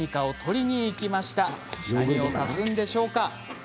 何を足すんでしょうか？